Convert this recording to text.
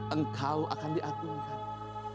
engkau akan diagungkan